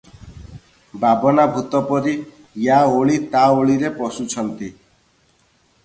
ବାବନାଭୂତ ପରି ୟା ଓଳି ତା ଓଳିରେ ପଶୁଛନ୍ତି ।